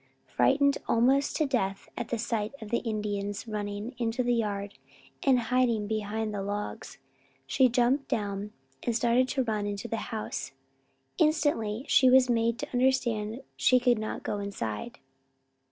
Frightened almost to death at the sight of the Indians running into the yard and hiding behind the logs, she jumped down and started to run into the house. Instantly she was made to understand she could not go inside.